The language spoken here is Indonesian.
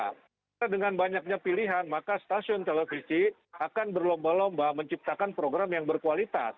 karena dengan banyaknya pilihan maka stasiun televisi akan berlomba lomba menciptakan program yang berkualitas